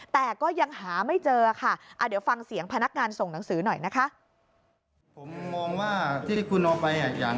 แต่ก็ยังหาไม่เจอค่ะ